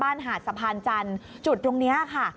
หาดสะพานจันทร์จุดตรงนี้ค่ะ